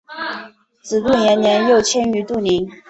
子杜延年又迁于杜陵。